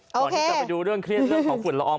ก่อนที่จะไปดูเรื่องเครียดเรื่องของฝุ่นละออง